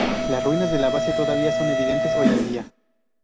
Las ruinas de la base todavía son evidentes hoy en día.